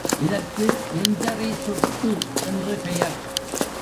இதற்கு நெஞ்சறி சுட்டு என்று பெயர்.